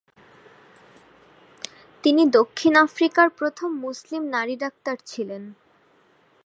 তিনি দক্ষিণ আফ্রিকার প্রথম মুসলিম নারী ডাক্তার ছিলেন।